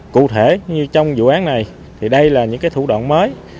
cụ thể như trong vụ án này thì đây là những cái thủ đoạn mới